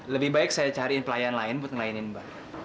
lebih baik saya cariin pelayan lain buat ngelainin mbak